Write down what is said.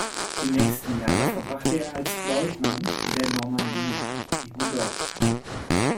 Die nächsten Jahre verbrachte er als Lieutenant der Normandie ebendort.